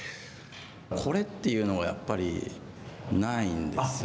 これというのはやっぱりないんですよ。